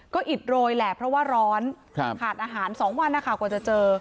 ก็อิดโรยแหละเพราะว่าร้อนขาดอาหาร๒วันนะคะกว่าจะเจอ